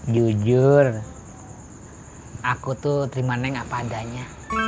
jujur aku tuh terima neng apa adanya